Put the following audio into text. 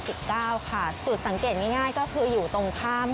จุดสังเกตง่ายก็คืออยู่ตรงข้าม